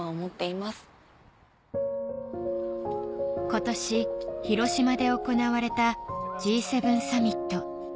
今年広島で行われたＧ７サミット